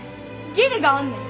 義理があんねん。